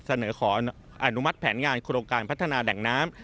เสนอขออนุมัติแผนงานโครงการพัฒนาแหล่งน้ำ